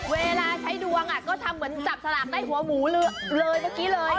เวลาใช้ดวงก็ทำเหมือนจับสลากได้หัวหมูเลยเมื่อกี้เลย